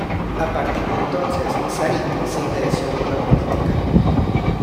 A partir de entonces, Sarit se interesó por la política.